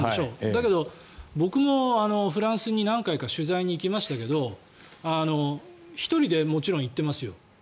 だけど、僕もフランスに何回か取材に行きましたけど１人でもちろん行ってますよ。